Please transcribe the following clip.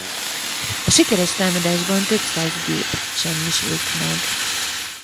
A sikeres támadásban több száz gép semmisült meg.